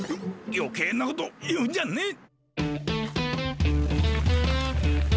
よけいなこというんじゃねえ！